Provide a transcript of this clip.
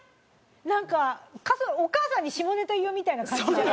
なんかお母さんに下ネタ言うみたいな感じじゃない？